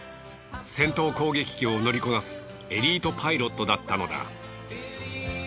戦闘攻撃機を乗りこなすエリートパイロットだったのだ。